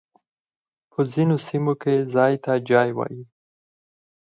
په ځينو سيمو کي ځای ته جای وايي.